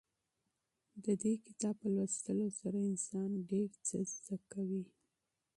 د دې کتاب په لوستلو سره انسان ډېر څه زده کوي.